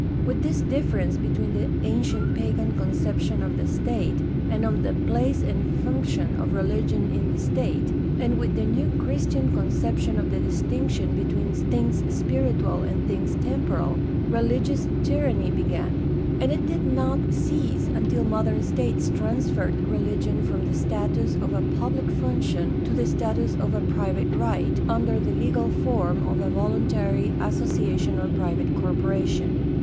With this difference between the ancient pagan conception of the state and of the place and function of religion in the state, and with the new Christian conception of the distinction between things spiritual and things temporal, religious tyranny began; and it did not cease until modern states transferred religion from the status of a public function to the status of a private right, under the legal form of a voluntary association or private corporation.